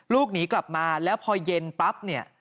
ลูกหนีกลับมาแล้วพอเย็นปั๊บเนี่ย